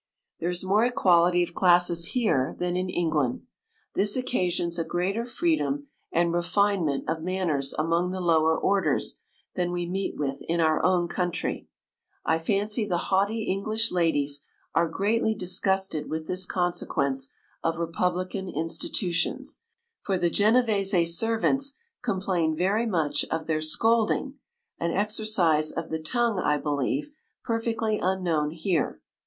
There is more equality of classes here than in England. This occasions a greater freedom and refinement of man ners among the lower orders than we meet with in our own country. I fan cy the haughty English ladies are greatly disgusted with this consequence of republican institutions, for the Ge nevese servants complain very much of their scolding, an exercise of the tongue, I believe, perfectly unknown here.